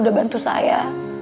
udah bantu saya